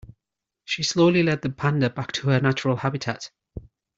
She slowly led the panda back to her natural habitat.